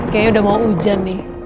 kayaknya udah mau hujan nih